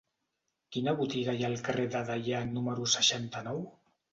Quina botiga hi ha al carrer de Deià número seixanta-nou?